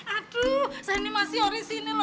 aduh saya ini masih ori sini lho